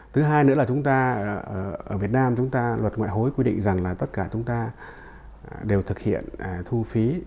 thứ hai nữa là chúng ta ở việt nam chúng ta luật ngoại hối quy định rằng là tất cả chúng ta đều thực hiện thu phí